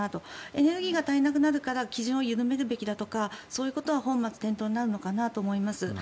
エネルギーが足りなくなるから基準を緩めるべきだとかそういうことは本末転倒になるのかなと思います。